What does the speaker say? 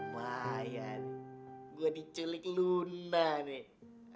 namanya nih gue diculik luna nih